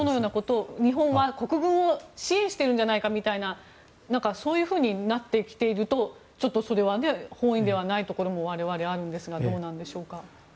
日本は国軍を支援しているんじゃないかみたいなそういうふうになってきているとちょっとそれは本意ではないところも我々はあるんですがどうなんでしょうか。